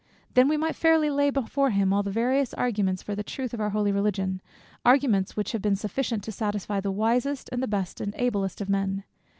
Then we might fairly lay before him all the various arguments for the truth of our holy religion; arguments which have been sufficient to satisfy the wisest, and the best, and the ablest of men.